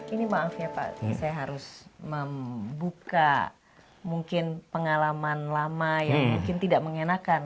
ini maaf ya pak saya harus membuka mungkin pengalaman lama yang mungkin tidak mengenakan